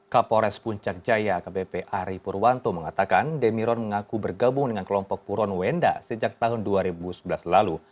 kapolres puncak jaya kppa ripurwanto mengatakan demiron mengaku bergabung dengan kelompok puron wonda sejak tahun dua ribu sebelas lalu